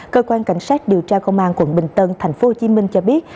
cơ quan cảnh sát điều tra công an quận bình tân tp hcm cho biết